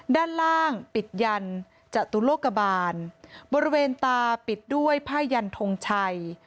ด้านล่างปิดยันจตุโลกบาลบริเวณตาปิดด้วยผ้ายันทงชัย